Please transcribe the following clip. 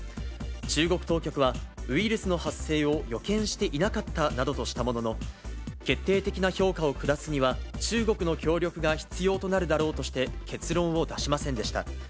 中国当局は、ウイルスの発生を予見していなかったなどとしたものの、決定的な評価を下すには中国の協力が必要となるだろうとして、結論を出しませんでした。